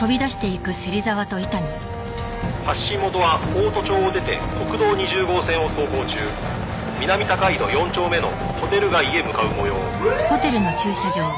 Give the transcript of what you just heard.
「発信元は大戸町を出て国道２０号線を走行中」「南高井戸４丁目のホテル街へ向かう模様」